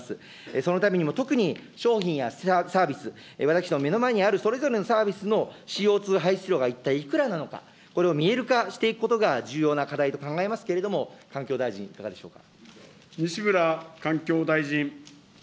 そのためにも特に商品やサービス、私どもの目の前にあるそれぞれのサービスのＣＯ２排出量が一体いくらなのか、これを見える化していくことが重要な課題と考えますけれども、環境大臣、いかがでしょうか。